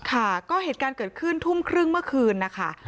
ค่ะก็เหตุการณ์เกิดขึ้นทุ่มครึ่งเมื่อคืนนะคะ